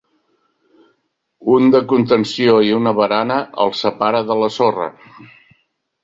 Un de contenció i una barana el separa de la sorra.